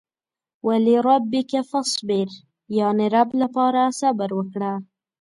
ولربک فاصبر يانې رب لپاره صبر وکړه.